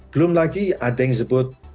belum lagi ada yang disebut